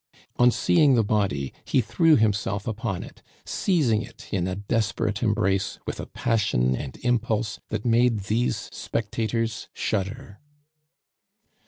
On seeing the body, he threw himself upon it, seizing it in a desperate embrace with a passion and impulse that made these spectators shudder.